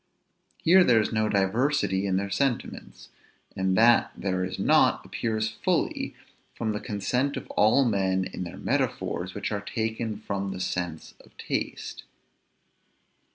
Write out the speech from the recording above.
Here there is no diversity in their sentiments; and that there is not, appears fully from the consent of all men in the metaphors which are taken, from the souse of taste.